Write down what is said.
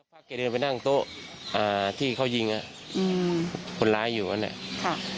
แกเดินไปนั่งโต๊ะอ่าที่เขายิงอ่ะอืมคนร้ายอยู่นั่นแหละค่ะ